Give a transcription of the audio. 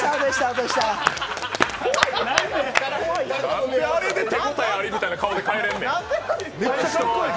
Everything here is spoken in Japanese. なんであれで手応えありみたいな顔で帰れるねん。